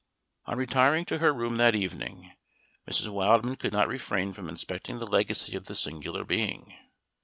On retiring to her room that evening, Mrs. Wildman could not refrain from inspecting the legacy of this singular being.